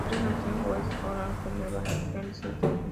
Barres nació en West Orange, Nueva Jersey, Estados Unidos.